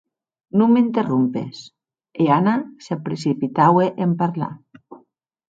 Non m'interrompes, e Anna se precipitaue en parlar.